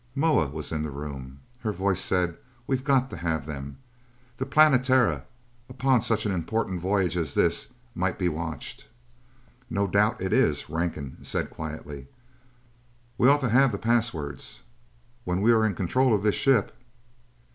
Moa was in the room. Her voice said, "We've got to have them. The Planetara, upon such an important voyage as this, might be watched." "No doubt it is," Rankin said quietly. "We ought to have the passwords. When we are in control of this ship...."